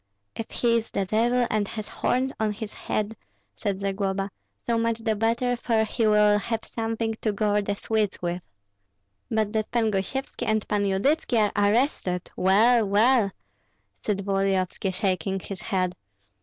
"If he is the devil and has horns on his head," said Zagloba, "so much the better, for he will have something to gore the Swedes with." "But that Pan Gosyevski and Pan Yudytski are arrested, well, well!" said Volodyovski, shaking his head.